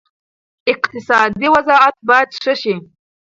اقتصادي وضعیت باید ښه شي.